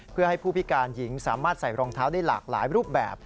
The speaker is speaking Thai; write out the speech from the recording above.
เพื่อให้ผู้พิการหญิงสามารถใส่รองเท้าได้หลากหลายรูปแบบ